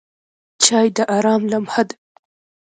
چای د آرام لمحه ده.